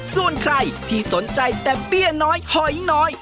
ส่วนใครที่สนใจแต่เบี้ยน้อยหอยน้อย